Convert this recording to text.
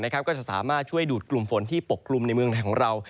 ก็จะสามารถช่วยดูดกลุ่มฝนที่ปกกลุ่มในเมืองไทยของเรา